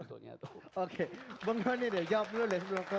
oke bang taufik jawab dulu